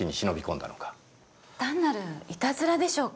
単なるいたずらでしょうか？